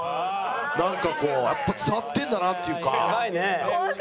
なんかこうやっぱ伝わってんだなっていうか。